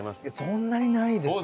そんなにないですね。